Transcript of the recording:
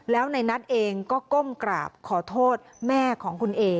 แล้วในนัทเองก็ก้มกราบขอโทษแม่ของคุณเอ